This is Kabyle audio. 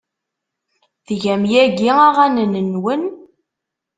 Tgam yagi aɣanen-nwen?